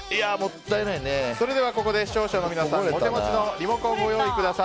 ここで視聴者の皆さんお手持ちのリモコンをご用意ください。